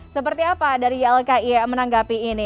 seperti apa dari ylki menanggapi ini